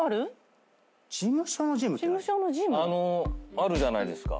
あるじゃないですか。